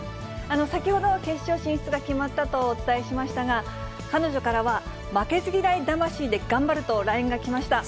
先ほど、決勝進出が決まったとお伝えしましたが、彼女からは、負けず嫌い魂で頑張るとＬＩＮＥが来ました。